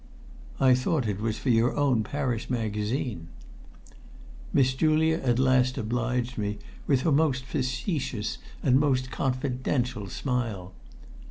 "I thought it was for your own Parish Magazine?" Miss Julia at last obliged me with her most facetious and most confidential smile.